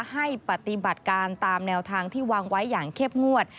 ให้ปฏิบัติการตามแนวทางที่วางไว้อย่างเข้มงวด